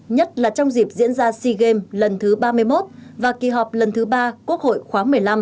nhất là trong dịp diễn ra sea games lần thứ ba mươi một và kỳ họp lần thứ ba quốc hội khoáng một mươi năm